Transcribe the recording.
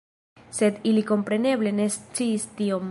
Sed ili kompreneble ne sciis tion.